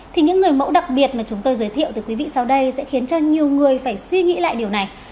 thì những người mẫu đặc biệt mà chúng tôi giới thiệu từ quý vị sau đây sẽ khiến cho nhiều người phải suy nghĩ lại điều này